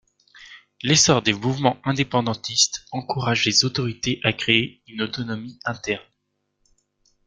L'essor des mouvements indépendantistes encouragent les autorités à créer une autonomie interne.